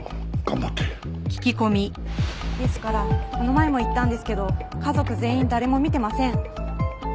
ですからこの前も言ったんですけど家族全員誰も見てません。